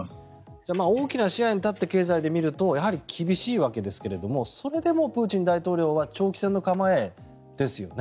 じゃあ大きな視野に立って経済を見てみるとやはり厳しいわけですがそれでもプーチン大統領は長期戦の構えですよね。